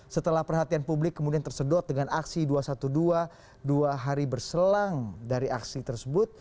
setelah perhatian publik kemudian tersedot dengan aksi dua ratus dua belas dua hari berselang dari aksi tersebut